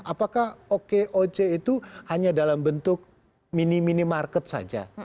apakah okoc itu hanya dalam bentuk mini minimarket saja